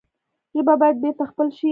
ژبه باید بېرته خپل شي.